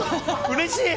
うれしい！